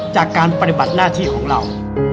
จากการปฏิบัติหน้าที่ของเรา